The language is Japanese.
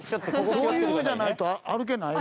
そういう風じゃないと歩けない？